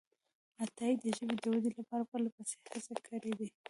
عطایي د ژبې د ودې لپاره پرلهپسې هڅې کړې دي.